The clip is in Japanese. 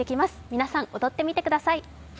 皆さん踊ってみてください。